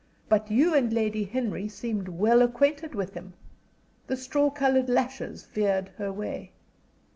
"But you and Lady Henry seemed well acquainted with him." The straw colored lashes veered her way.